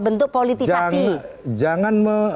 bentuk politisasi jangan